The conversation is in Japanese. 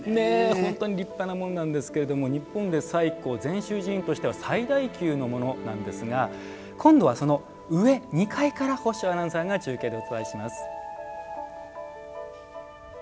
本当に立派な門なんですけれども日本で最古禅宗寺院としては最大級のものなんですが今度はその上２階から法性アナウンサーが中継でお伝えします。